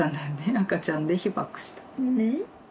赤ちゃんで被爆した。ね？